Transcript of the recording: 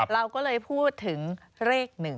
เราก็เลยพูดถึงเลข๑